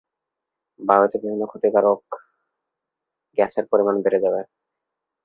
বায়ুতে বিভিন্ন ক্ষতিকর গ্যাসের পরিমাণ বেড়ে যাবে।